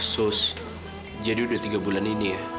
sos jadi udah tiga bulan ini ya